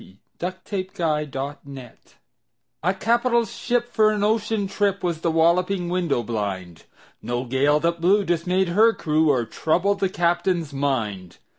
Y Z A Nautical Ballad A CAPITAL ship for an ocean trip Was The Walloping Window blind No gale that blew dismayed her crew Or troubled the captain's mind.